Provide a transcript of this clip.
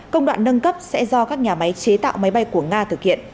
công đoạn nâng cấp sẽ do các nhà máy chế tạo máy bay của nga thực hiện